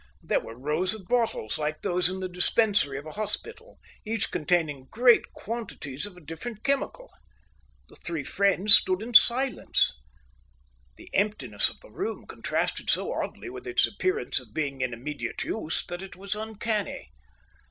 There were rows of bottles, like those in the dispensary of a hospital, each containing great quantities of a different chemical. The three friends stood in silence. The emptiness of the room contrasted so oddly with its appearance of being in immediate use that it was uncanny.